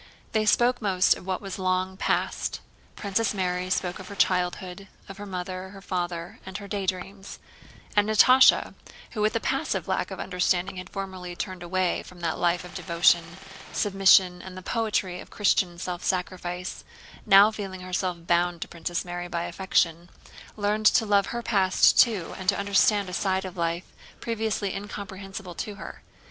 They spoke most of what was long past. Princess Mary spoke of her childhood, of her mother, her father, and her daydreams; and Natásha, who with a passive lack of understanding had formerly turned away from that life of devotion, submission, and the poetry of Christian self sacrifice, now feeling herself bound to Princess Mary by affection, learned to love her past too and to understand a side of life previously incomprehensible to her.